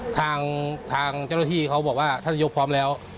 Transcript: ทางเจ้าหน้าที่เขาบอกว่าท่านนายกพร้อมแล้ว